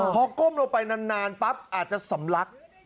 พอก้มลงไปนานปั๊บอาจจะสำลัก